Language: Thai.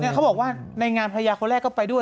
เขาบอกว่าในงานภรรยาคนแรกก็ไปด้วย